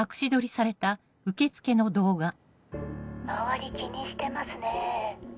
周り気にしてますね。